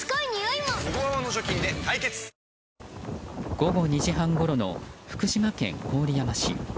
午後２時半ごろの福島県郡山市。